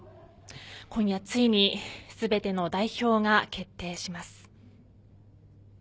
今夜ついに、全ての代表が決定します。